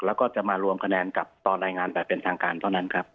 แล้วก็จะมารวมคะแนนกับตอนรายงานแบบเป็นทางการเท่านั้นครับ